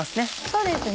そうですね。